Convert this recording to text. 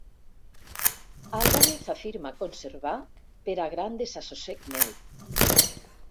Álvarez afirma conservar, per a gran desassossec meu.